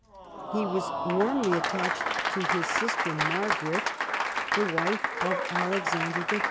He was warmly attached to his sister Margaret, the wife of Alex ander HI.